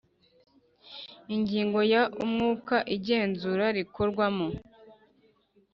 Ingingo ya Umwuka igenzura rikorwamo